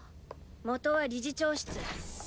元は理事長室。